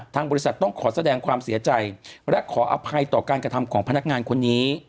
ทางบริษัทต้องขอแสดงความเสียใจและขออภัยต่อการกระทำของพนักงานคนนี้